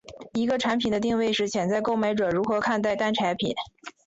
一个产品的定位是潜在购买者如何看待该产品。